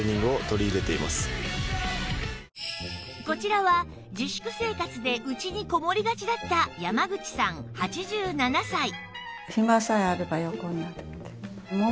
こちらは自粛生活でうちにこもりがちだった山口さん８７歳